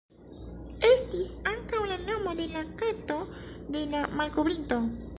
Estis ankaŭ la nomo de la kato de la malkovrinto.